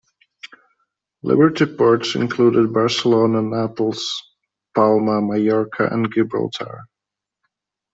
Liberty ports included Barcelona, Naples, Palma Majorca, and Gibraltar.